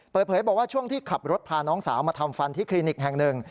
เปิดเผยบอกว่าช่วงที่ขับรถพาน้องสาวมาทำฟันที่คลินิกแห่งหนึ่ง